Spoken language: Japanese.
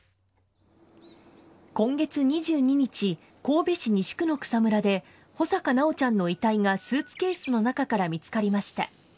今月２２日、神戸市西区の草むらで、穂坂修ちゃんの遺体がスーツケースの中から見つかりました。